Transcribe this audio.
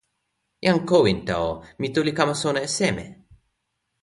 jan Kowinta o, mi tu li kama sona e seme?